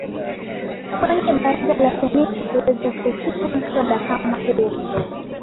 kwenye Baraza la Seneti kuweza kupitisha mswada kama huo